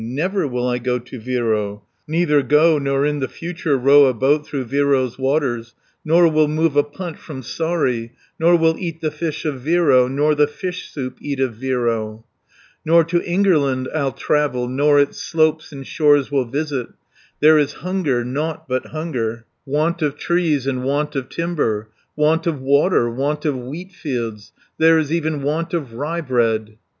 Never will I go to Viro, Neither go, nor in the future 50 Row a boat through Viro's waters, Nor will move a punt from Saari, Nor will eat the fish of Viro, Nor the fish soup eat of Viro. "Nor to Ingerland I'll travel, Nor its slopes and shores will visit. There is hunger, nought but hunger, Want of trees, and want of timber, Want of water, want of wheatfields, There is even want of ryebread."